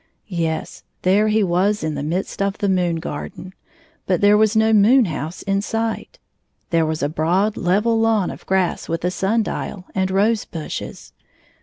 Yes ; there he was in the midst of the moon 75 garden, but there was no moon house m sight. There was a broad level lawn of grass with a sun dial and rose bushes.